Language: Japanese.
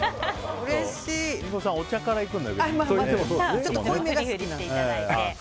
お茶からいくんだよね。